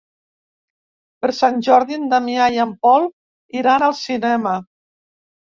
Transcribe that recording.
Per Sant Jordi en Damià i en Pol iran al cinema.